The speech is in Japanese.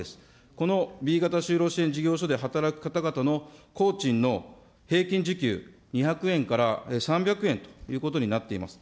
このＢ型就労支援事業所で働く方々の工賃の平均時給、２００円から３００円ということになっています。